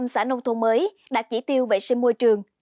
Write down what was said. một trăm linh xã nông thôn mới đạt chỉ tiêu vệ sinh môi trường